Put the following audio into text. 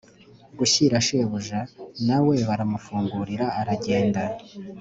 gushyira shebuja, na we baramufungurira aragenda.